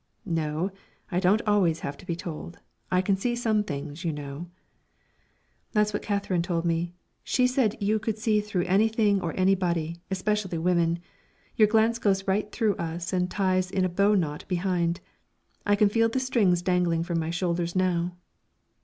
"No, I don't always have to be told. I can see some things, you know." "That's what Katherine told me. She said you could see through anything or anybody, especially a woman. Your glance goes right through us and ties in a bow knot behind. I can feel the strings dangling from my shoulders now."